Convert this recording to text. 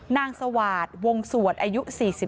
นางสวาดวงสวดอายุ๔๑